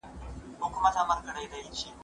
زه اجازه لرم چي بوټونه پاک کړم.